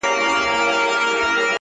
بدوي ټولنه توره څېره لري ډېر